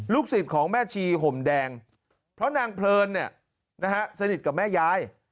สิทธิ์ของแม่ชีห่มแดงเพราะนางเพลินสนิทกับแม่ยาย